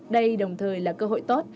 đây đồng thời là cơ hội tốt